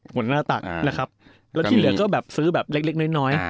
หน้าตักนะครับแล้วที่เหลือก็แบบซื้อแบบเล็กน้อย